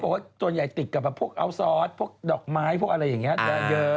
บอกว่าส่วนใหญ่ติดกับพวกอัลซอสพวกดอกไม้พวกอะไรอย่างนี้เยอะ